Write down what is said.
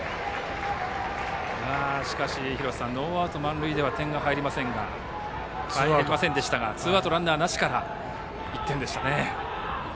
しかしノーアウト満塁では点が入りませんでしたがツーアウト、ランナーなしから１点でしたね。